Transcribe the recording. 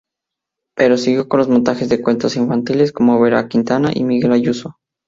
Pero siguió en los montajes de cuentos infantiles, con Vera Quintana y Miguel Ayuso.